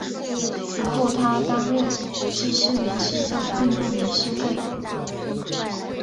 此后他担任国际声援西藏运动理事会长。